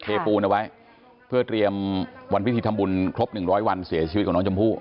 ปูนเอาไว้เพื่อเตรียมวันพิธีทำบุญครบ๑๐๐วันเสียชีวิตของน้องชมพู่